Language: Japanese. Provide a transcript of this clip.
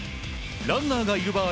ランナーがいる場合